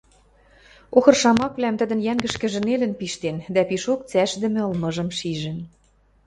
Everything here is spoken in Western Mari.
Охыр шамаквлӓм тӹдӹ йӓнгӹшкӹжӹ нелӹн пиштен дӓ пишок цӓшдӹмӹ ылмыжым шижӹн.